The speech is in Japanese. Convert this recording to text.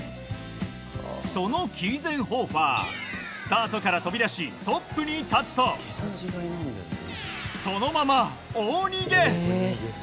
そのキーゼンホーファースタートから飛び出しトップに立つとそのまま、大逃げ！